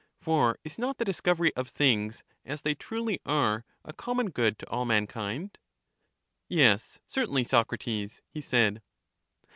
For is not the discovery of things as they truly are a conmoion good to all man kind? Yes, certainly, Socrates, he said.